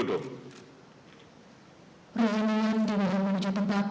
ruh anggaran di bahagian menuju tempat